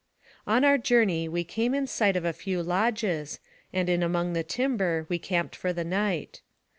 On our journey we came in sight of a few lodges, and in among the timber we camped for the night.